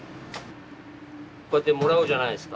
こうやってもらうじゃないですか。